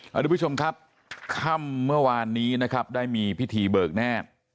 ทุกผู้ชมครับค่ำเมื่อวานนี้นะครับได้มีพิธีเบิกแดด